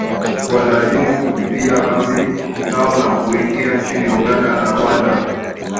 kuwalazimu kukimbia kambi zao na kuingia nchini Uganda na Rwanda